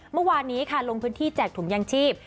เมื่อวานนี้ค่ะลงพื้นที่แจกถุงยางชีพ